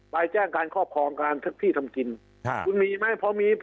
ไปแจ้งการครอบครองการที่ทำกินคุณมีไหมพอมี